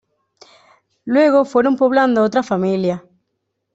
Luego fueron poblando otras familias.